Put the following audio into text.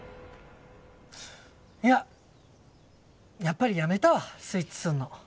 いややっぱりやめたわスイッチするの。